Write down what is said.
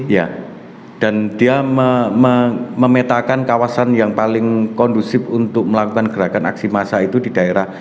ya dan dia memetakan kawasan yang paling kondusif untuk melakukan gerakan aksi massa itu di daerah